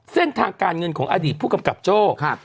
เส้นทางการเงินของอดีตผู้กำกับโจ้